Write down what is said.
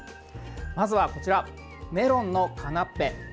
まずは、こちらメロンのカナッペ。